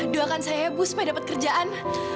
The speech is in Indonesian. doakan saya ya bu supaya dapat kerjaan